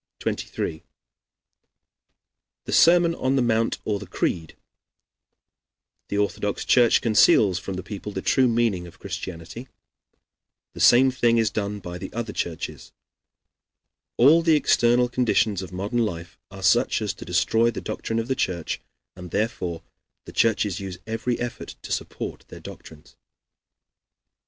23 The Sermon on the Mount or the Creed The Orthodox Church Conceals from the People the True Meaning of Christianity The Same Thing is Done by the Other Churches All the External Conditions of Modern Life are such as to Destroy the Doctrine of the Church, and therefore the Churches use Every Effort to Support their Doctrines.